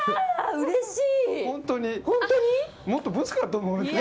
うれしい！